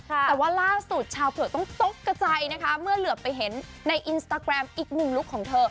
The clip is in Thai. แต่ว่าล่าสุดชาวเผลอต้องตกกระจายนะคะเมื่อเหลือไปเห็นในอินสตาแกรมอีกหนึ่งลุคของเธอ